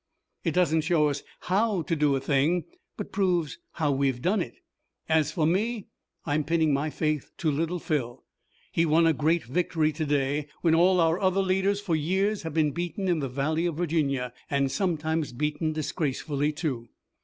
It doesn't show us how to do a thing, but proves how we've done it. As for me, I'm pinning my faith to Little Phil. He won a great victory today, when all our other leaders for years have been beaten in the Valley of Virginia, and sometimes beaten disgracefully too."